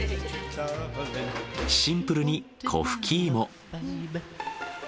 シンプルに粉ふきイモ。